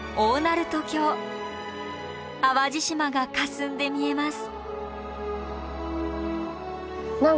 淡路島がかすんで見えます。